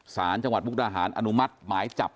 สารจังหวัดมุกดาหารอนุมัติหมายจับ